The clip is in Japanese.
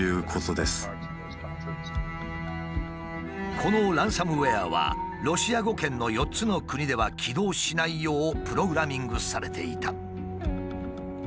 このランサムウエアはロシア語圏の４つの国では起動しないようプログラミングされていた。